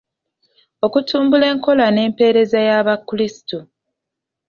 Okutumbula enkola n'empeereza y'abakurisitu.